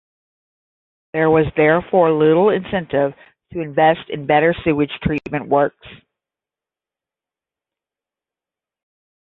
There was therefore little incentive to invest in better sewage treatment works.